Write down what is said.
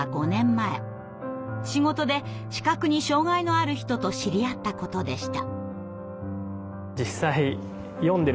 仕事で視覚に障害のある人と知り合ったことでした。